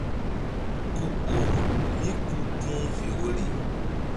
Ku ur mí ku tih fe woyri.